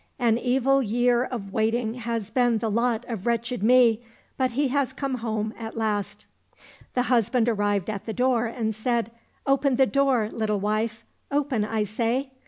An evil year of waiting has been the lot of wretched me, but he has come home at last." The husband arrived at the door and said, Open the door, little wife ; open, I say !